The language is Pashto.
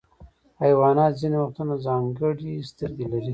حیوانات ځینې وختونه ځانګړي سترګې لري.